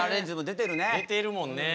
・出てるもんね。